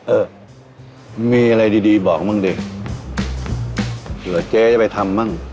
เออมีอะไรดีดีบอกบ้างดิเผื่อเจ๊จะไปทำบ้าง